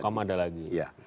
kokam ada lagi